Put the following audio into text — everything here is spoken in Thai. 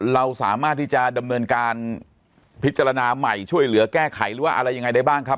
เราสามารถที่จะดำเนินการพิจารณาใหม่ช่วยเหลือแก้ไขหรือว่าอะไรยังไงได้บ้างครับ